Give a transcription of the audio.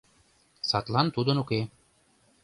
Садлан тудын уке.